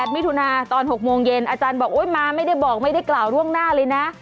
มิถุนาตอน๖โมงเย็นอาจารย์บอกโอ๊ยมาไม่ได้บอกไม่ได้กล่าวล่วงหน้าเลยนะ